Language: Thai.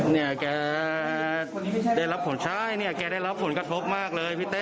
เนี่ยแกได้รับผลใช่เนี่ยแกได้รับผลกระทบมากเลยพี่เต้